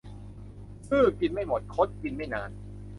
ซื่อกินไม่หมด คดกินไม่นาน